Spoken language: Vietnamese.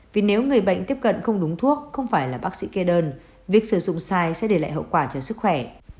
vì nếu người bệnh tiếp cận không đúng thuốc không phải là bác sĩ kê đơn việc sử dụng sai sẽ để lại hậu quả cho sức khỏe